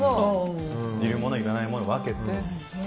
いるものいらないものを分けて。